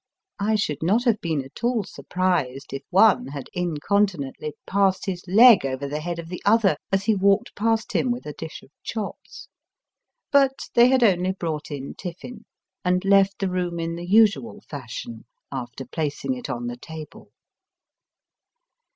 I should not have been Digitized by VjOOQIC SOME JAPANESE TBAITS. 197 at all surprised if one had incontinently passed his leg over the head of the other as he walked past him with a dish of chops. But they had only hrought in tiffin, and left the room in the usual fashion after placing it on the table.